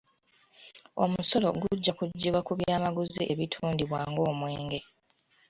Omusolo gujja guggyibwa ku byamaguzi ebitundibwa ng'omwenge.